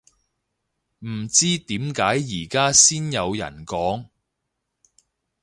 唔知點解而家先有人講